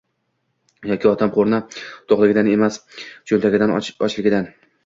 Yoki otam qorni to‘qligidan emas, cho‘ntagining «ochligidan»